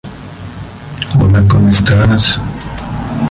Martiniano Chilavert, Av.